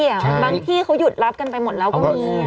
บางที่เขาหยุดรับกันไปหมดแล้วก็มี